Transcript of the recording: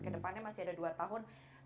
kedepannya masih ada dua tahun